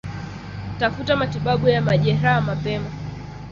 Tafuta matibabu ya majeraha mapema